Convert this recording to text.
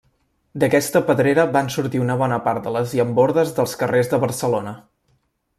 D'aquesta pedrera van sortir una bona part de les llambordes dels carrers de Barcelona.